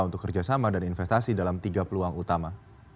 untuk kerjasama dan investasi dalam tiga peluang utama